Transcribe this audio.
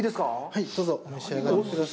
はい、どうぞお召し上がりください。